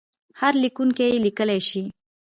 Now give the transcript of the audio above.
هر لیکونکی یې لیکلای شي.